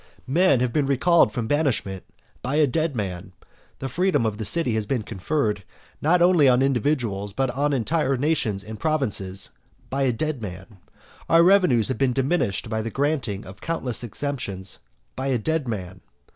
X. Men have been recalled from banishment by a dead man; the freedom of the city has been conferred, not only on individuals, but on entire nations and provinces by a dead man; our revenues have been diminished by the granting of countless exemptions by a dead man.